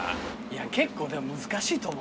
結構難しいと思う。